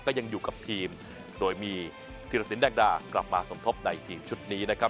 ก็ยังอยู่กับทีมโดยมีธิรสินแดงดากลับมาสมทบในทีมชุดนี้นะครับ